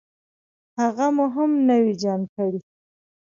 هغه مو هم نوي جان کړې.